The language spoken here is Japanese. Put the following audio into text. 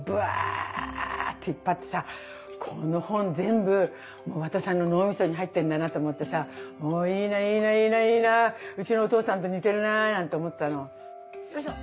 そしたらこの本全部和田さんの脳みそに入ってんだなと思ってさいいないいないいないいなうちのお父さんと似てるななんて思ったの。